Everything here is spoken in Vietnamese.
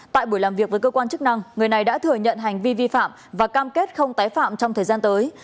tại buổi làm việc với cơ quan chức năng người này đã thừa nhận hành vi vi phạm và cam kết không tái phạm trong thời gian tới